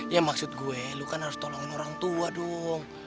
ya maksud gue lu kan harus tolongin orang tua dong